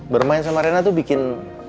bermain sama rena tuh bikin